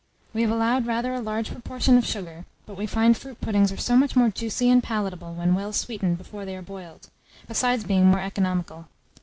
We have allowed rather a large proportion of sugar; but we find fruit puddings are so much more juicy and palatable when well sweetened before they are boiled, besides being more economical.